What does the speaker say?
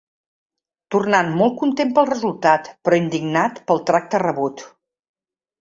Tornant molt content pel resultat, però indignat pel tracte rebut.